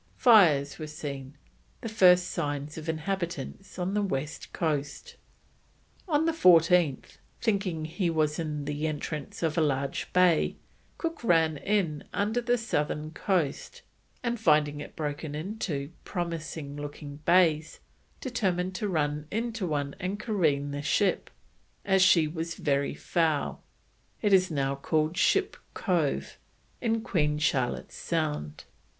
Fires were seen, the first sign of inhabitants on the west coast. On the 14th, thinking he was in the entrance of a large bay, Cook ran in under the southern coast, and finding it broken into promising looking bays, determined to run into one and careen the ship, as she was very foul; it is now called Ship Cove, in Queen Charlotte's Sound.